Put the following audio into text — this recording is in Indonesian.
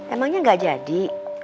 emangnya gak jadi